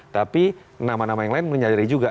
tapi nama nama yang lain menyadari juga